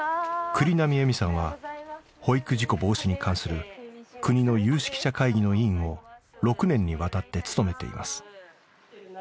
栗並えみさんは保育事故防止に関する国の有識者会議の委員を６年にわたって務めています。